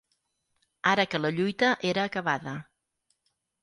Ara que la lluita era acabada